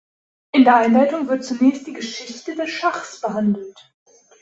In der Einleitung wird zunächst die Geschichte des Schachs behandelt.